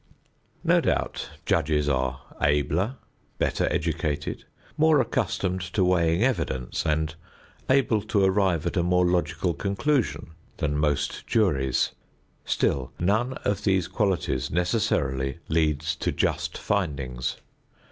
No doubt judges are abler, better educated, more accustomed to weighing evidence and able to arrive at a more logical conclusion than most juries. Still none of these qualities necessarily leads to just findings.